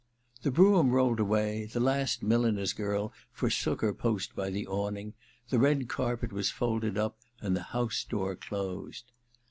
The brougham rolled away, the last milliner's girl forsook her post by the awning, the red carpet was folded up, and the house door closed.